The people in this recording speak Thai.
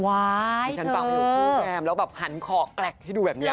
เข้าชั้นเฝ่ามดูผู้แควนเราก็แบบหันขอกแกละให้ดูแบบนี้